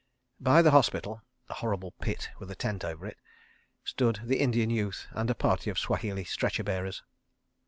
By the hospital—a horrible pit with a tent over it—stood the Indian youth and a party of Swahili stretcher bearers.